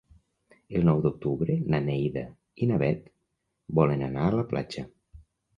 El nou d'octubre na Neida i na Bet volen anar a la platja.